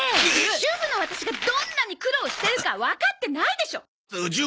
主婦のワタシがどんなに苦労してるかわかってないでしょう！